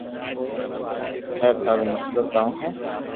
ھي ٿارو مسلئ ڪاو ھي